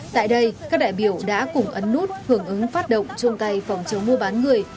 tại đây các đại biểu đã cùng ấn nút hưởng ứng phát động chung tay phòng chống mua bán người